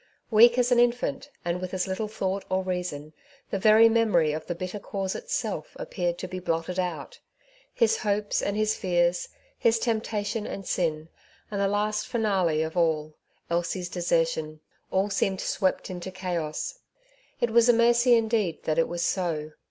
Weak as an infant, and with as little thought or reason, the very memory of the bitter cause itself appeared to be blotted out; his hopes and his fears, his temptation and sin, and the last ^naZe of all, Elsie^s desertion, all seemed swept into chaos. It was a mercy indeed that it was so.